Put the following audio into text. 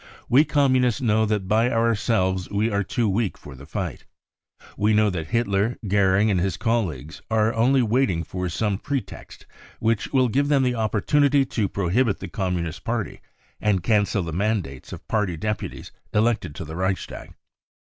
We Communists know that by our selves we are too weak for the fight. We know that Hitler, Goering and his colleagues are only waiting «for some pretext which will give them the opportunity to pro hibit the Communist Party and cancel the mainlates of party deputies elected to the Reicnstag.